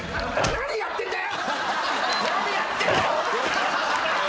何やってんだよ。